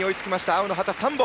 青の旗が３本。